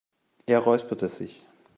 Er räusperte sich.